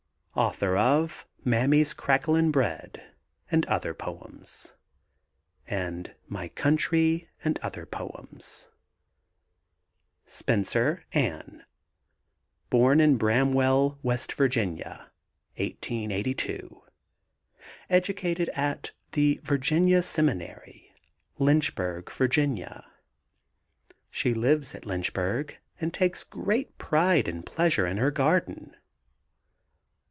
Author of Mammy's Cracklin' Bread and Other Poems, and My Country and Other Poems. SPENCER, ANNE. Born in Bramwell, W. Va., 1882. Educated at the Virginia Seminary, Lynchburg, Va. She lives at Lynchburg and takes great pride and pleasure in her garden.